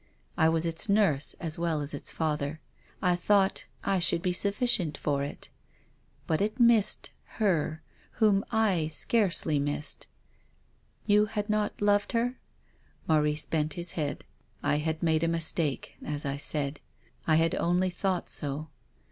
I was its nurse as well as its father. I thought I should be sufficient for it. But it missed — her, whom I scarcely missed." " You had not loved her?" Maurice bent his head. " I had made a mistake, as I said. I had only thought so.